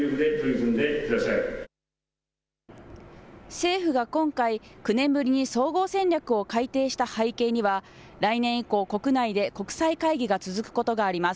政府が今回、９年ぶりに総合戦略を改定した背景には来年以降、国内で国際会議が続くことがあります。